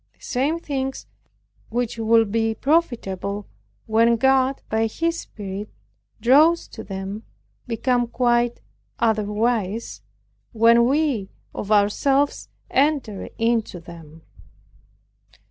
The same things which would be profitable, when God, by His Spirit, draws to them, become quite otherwise, when we of ourselves enter into them.